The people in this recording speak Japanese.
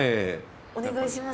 お願いします。